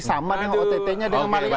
sama dengan ott nya dengan mali ayam